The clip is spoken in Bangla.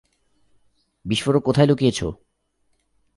বিস্ফোরক কোথায় লুকিয়েছ?